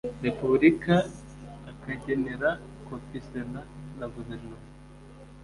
repubulika akagenera kopi sena na guverinoma